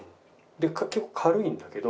結構軽いんだけど。